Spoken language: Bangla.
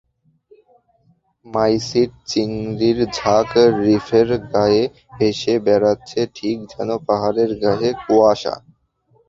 মাইসিড চিংড়ির ঝাঁক রীফের গায়ে ভেসে বেড়াচ্ছে ঠিক যেন পাহাড়ের গায়ে কুয়াসা।